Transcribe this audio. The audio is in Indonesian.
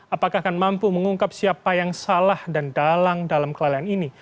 apakah akan mampu mengungkap siapa yang salah dan dalang dalam kelalaian ini